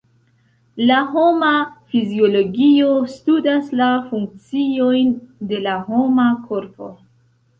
La homa fiziologio studas la funkciojn de la homa korpo.